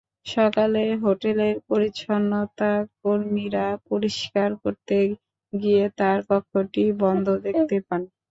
সকালে হোটেলের পরিচ্ছন্নতা-কর্মীরা পরিষ্কার করতে গিয়ে তাঁর কক্ষটি বন্ধ দেখতে পান।